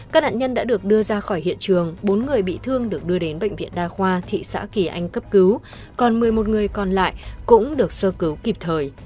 các nạn nhân đã được đưa ra khỏi hiện trường bốn người bị thương được đưa đến bệnh viện đa khoa thị xã kỳ anh cấp cứu còn một mươi một người còn lại cũng được sơ cứu kịp thời